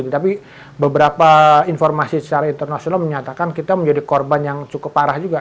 tapi beberapa informasi secara internasional menyatakan kita menjadi korban yang cukup parah juga